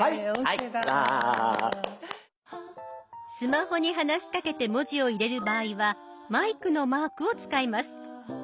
スマホに話しかけて文字を入れる場合はマイクのマークを使います。